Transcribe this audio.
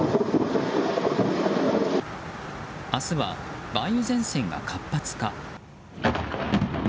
明日は梅雨前線が活発化。